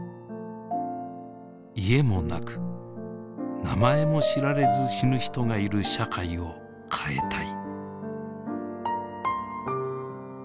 家もなく名前も知られず死ぬ人がいる社会を変えたい。